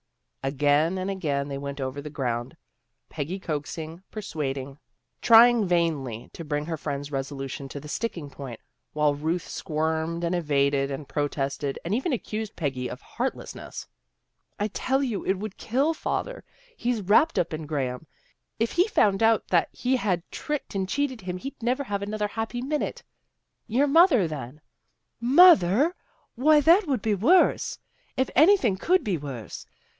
Again and again they went over the ground, Peggy coaxing, persuading, trying vainly to 160 THE GIRLS OF FRIENDLY TERRACE bring her friend's resolution to the sticking point, while Ruth squirmed and evaded and protested, and even accused Peggy of heart lessness. " I tell you it would kill father. He's wrapped up in Graham. If he found out that he had tricked and cheated him he'd never have another happy minute." ' Your mother, then." " Mother! Why, that would be worse, if anything could be worse.